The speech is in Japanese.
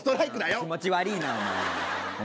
気持ち悪いな、お前。